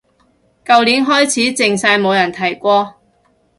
舊年開始靜晒冇人提過